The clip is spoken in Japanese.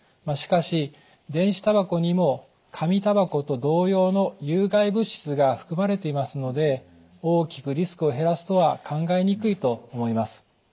しかし電子タバコにも紙タバコと同様の有害物質が含まれていますので大きくリスクを減らすとは考えにくいと思います。